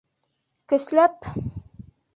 Көсләп!